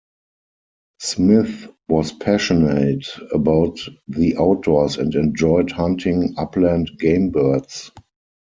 Smith was passionate about the outdoors and enjoyed hunting upland game birds.